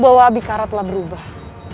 bahwa abikara telah berubah